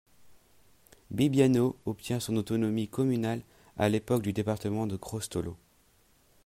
Bibbiano obtient son autonomie communale à l’époque du département de Crostolo.